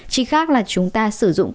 chỉ khác là chúng ta sử dụng các tiêu chuẩn